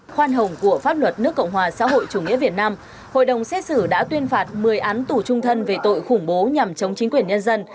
khoan hồng của pháp luật nước cộng hòa xã hội chủ nghĩa việt nam hội đồng xét xử đã tuyên phạt một mươi án tù trung thân về tội khủng bố nhằm chống chính quyền nhân dân